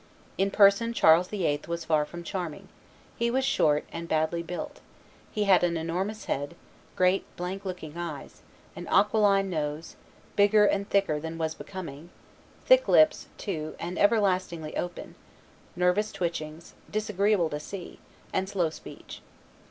In person Charles VIII. was far from charming; he was short and badly built; he had an enormous head; great, blank looking eyes; an aquiline nose, bigger and thicker than was becoming; thick lips, too, and everlastingly open; nervous twitchings, disagreeable to see; and slow speech.